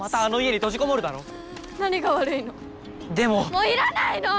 もういらないの！